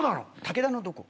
武田のどこ？